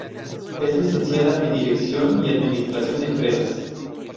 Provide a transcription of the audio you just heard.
Es licenciada en Dirección y administración de empresas.